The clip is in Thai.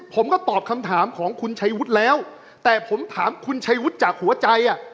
ผมก็ตอบคำถามของคุณชัยวุฒิแล้วแต่ผมถามคุณชัยวุฒิจากหัวใจอ่ะ